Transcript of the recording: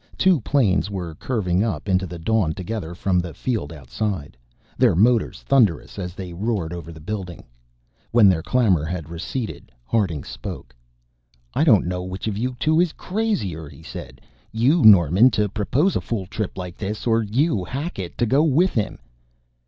Two planes were curving up into the dawn together from the field outside, their motors thunderous as they roared over the building. When their clamor had receded, Harding spoke: "I don't know which of you two is crazier," he said. "You, Norman, to propose a fool trip like this, or you, Hackett, to go with him."